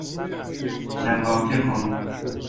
لواطه کن